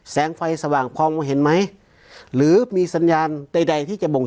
แสงไฟสว่างพอมองเห็นไหมหรือมีสัญญาณใดใดที่จะบ่ง